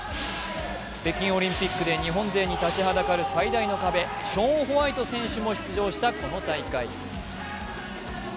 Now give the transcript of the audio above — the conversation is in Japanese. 北京オリンピックで日本勢に立ちはだかる最大の壁、ショーン・ホワイト選手も出場したこの大会。